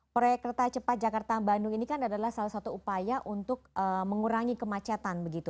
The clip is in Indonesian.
proyek kereta cepat jakarta bandung ini kan adalah salah satu upaya untuk mengurangi kemacetan begitu